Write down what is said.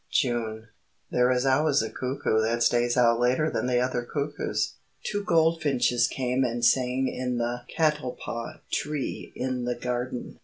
XII JUNE There is always a cuckoo that stays out later than the other cuckoos.... Two goldfinches came and sang in the catalpa tree in the garden....